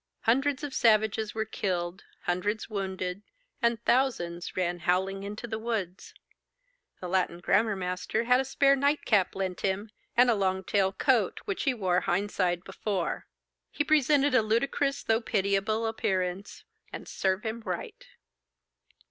Hundreds of savages were killed, hundreds wounded, and thousands ran howling into the woods. The Latin grammar master had a spare night cap lent him, and a long tail coat, which he wore hind side before. He presented a ludicrous though pitiable appearance, and serve him right.